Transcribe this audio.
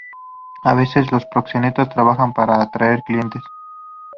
A veces los proxenetas trabajan para atraer clientes.